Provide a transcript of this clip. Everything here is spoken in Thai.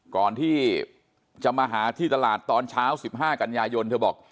ก่อนที่จะมาหาที่ตลาดตอนเช้า๑๕กันยายนเธอบอก